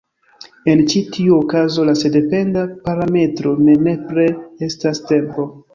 En ĉi tiu okazo la sendependa parametro ne nepre estas tempo.